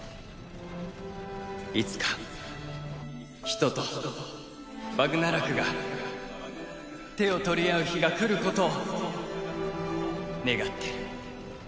いつか人とバグナラクが手を取り合う日が来ることを願ってる。